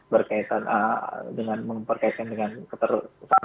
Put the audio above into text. berkaitan dengan memperkaitkan dengan alat bukti lainnya